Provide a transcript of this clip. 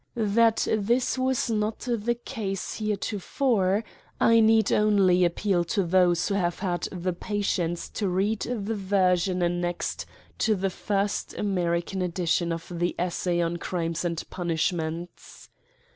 That this was not the case heretofore, I need only appeal to those who have had the patience to read the version annexed to :•;• PREFACE. the first American edition of the Essay on Crimes and Punishments.